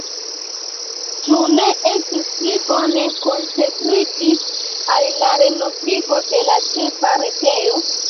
Ĉu ne estus pli bone koncentriĝi al la renovigo de la ĉefa retejo?